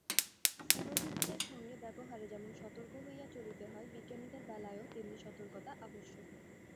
পুরোহিতদের সঙ্গে ব্যবহারে যেমন সতর্ক হইয়া চলিতে হয়, বিজ্ঞানীদের বেলায়ও তেমনি সতর্কতা আবশ্যক।